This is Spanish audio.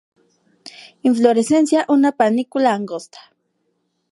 Inflorescencia una panícula angosta.